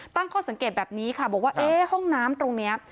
ตั้งข้อสังเกตแบบนี้ค่ะบอกว่าเอ๊ะห้องน้ำตรงนี้